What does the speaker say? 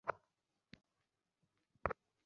হেই, Magnus.